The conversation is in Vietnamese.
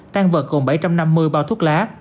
tan vật gồm bảy trăm năm mươi bao thuốc lá